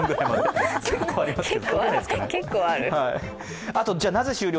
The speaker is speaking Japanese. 結構ありますよ。